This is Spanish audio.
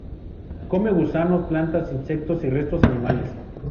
Come gusanos, plantas, insectos y restos animales.